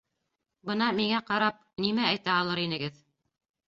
Бына миңә ҡарап... нимә әйтә алыр инегеҙ?